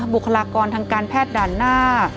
บุคลากรทางการแพทย์ด่านหน้า